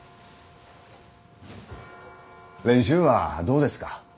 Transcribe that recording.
練習はどうですか？